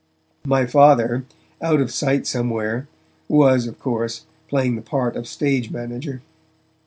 My Father, out of sight somewhere, was, of course, playing the part of stage manager.